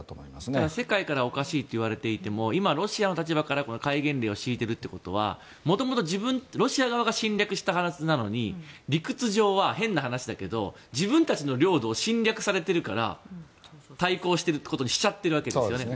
ただ、世界からおかしいといわれていてもロシアの立場からして戒厳令を敷いているということは元々ロシア側が侵略したはずなのに理屈上は変な話だけど自分たちの領土を侵略されているから対抗していることにしちゃっているわけですよね。